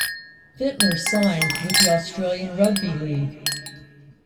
Fittler signed with the Australian Rugby League.